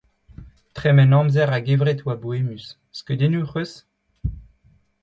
Tremen amzer a-gevred a oa boemus. Skeudennoù 'c'h eus ?